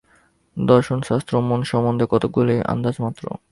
দর্শনশাস্ত্র মন সম্বন্ধে কতকগুলি আন্দাজমাত্র।